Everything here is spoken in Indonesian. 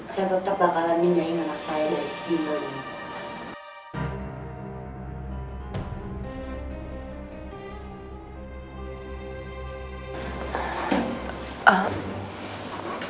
saya tetep bakalan pindahin anak saya dari timbul ini